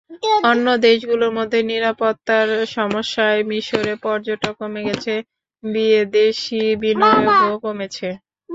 অন্য দেশগুলোর মধ্যে নিরাপত্তার সমস্যায় মিসরে পর্যটক কমে গেছে, বিদেশি বিনিয়োগও কমেছে।